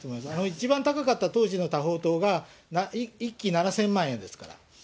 一番高かった当時の多宝塔が、１基７０００万円ですから。